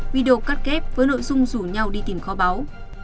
video cắt kép với nội dung rủ nhau đi tìm kho báu